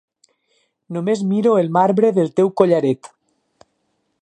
Només miro el marbre del teu collaret.